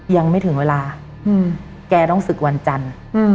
ยังไม่ถึงเวลาแกต้องศึกวันจันทร์